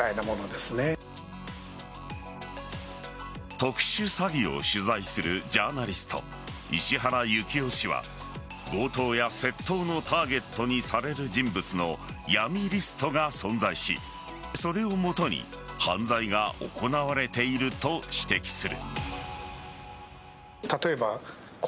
特殊詐欺を取材するジャーナリスト石原行雄氏は強盗や窃盗のターゲットにされる人物の闇リストが存在しそれを基に犯罪が行われていると指摘する。